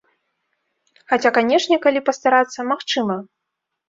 Хаця, канешне, калі пастарацца, магчыма.